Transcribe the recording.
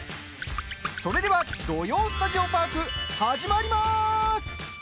それでは「土曜スタジオパーク」始まります。